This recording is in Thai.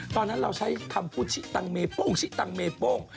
ตอนนั้นเราใช้คำพูดชิตังเมโป้ง